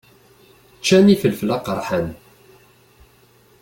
Ččan ifelfel aqeṛḥan.